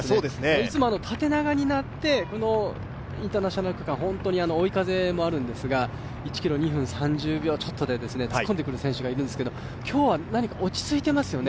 いつも縦長になって、インターナショナル区間、本当に追い風もあるんですが、１ｋｍ２分３０秒ちょっとで突っ込んでくる選手がいるんですけど、今日は落ち着いていますよね